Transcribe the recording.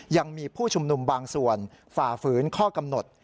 ยังมีผู้ชุมนุมบางส่วนฝ่าฝืนข้อกำหนด